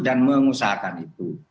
dan mengusahakan itu